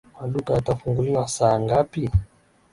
Maduka yatafunguliwa saa ngapi?